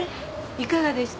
いかがでした？